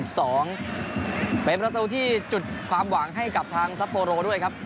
เป็นประตูที่จุดความหวังให้กับทางซัปโปโรด้วยครับ